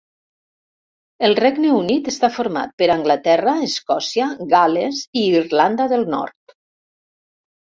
El Regne Unit està format per Anglaterra, Escòcia, Gal·les i Irlanda del Nord.